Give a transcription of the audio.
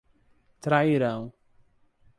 Trairão